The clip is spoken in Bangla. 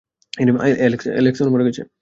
অ্যালেক্স, ওরা মরে গেছে!